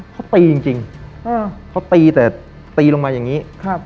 เขาตีจริงเขาตีแต่ตีลงมาอย่างนี้ครับ